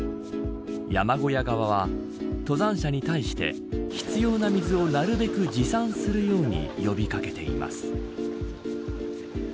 山小屋側は登山者に対して必要な水をなるべく持参するように呼び掛けています。